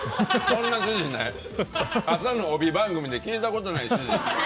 朝の帯番組で聞いたことのない指示。